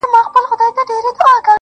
پر كومه تگ پيل كړم